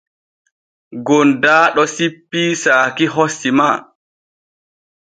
Gondaaɗo sippii saakiho sima.